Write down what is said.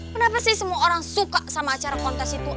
kenapa sih semua orang suka sama acara kontes itu